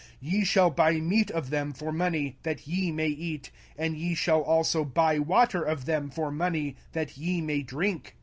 05:002:006 Ye shall buy meat of them for money, that ye may eat; and ye shall also buy water of them for money, that ye may drink.